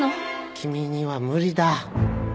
君には無理だ。